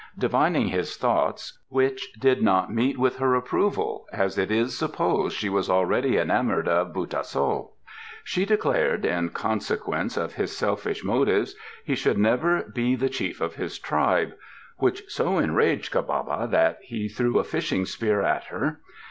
Divining his thoughts (which did not meet with her approval, as it is supposed she was already enamored of Bu tah so,) she declared, in consequence of his selfish motives, he should never be the Chief of his tribe, which so enraged Ca ba ba that he threw a fishing spear at her.